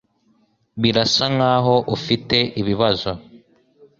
Birasa nkaho ufite ibibazo.